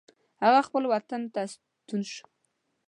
هغه خپل وطن ته ستون شو.